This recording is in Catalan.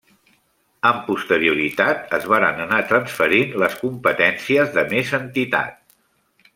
Amb posterioritat es varen anar transferint les competències de més entitat.